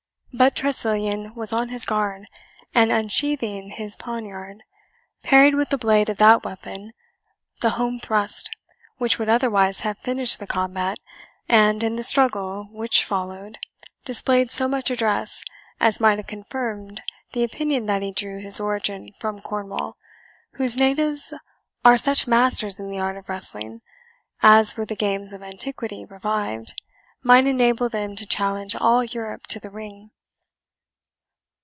But Tressilian was on his guard, and unsheathing his poniard, parried with the blade of that weapon the home thrust which would otherwise have finished the combat, and, in the struggle which followed, displayed so much address, as might have confirmed, the opinion that he drew his origin from Cornwall whose natives are such masters in the art of wrestling, as, were the games of antiquity revived, might enable them to challenge all Europe to the ring.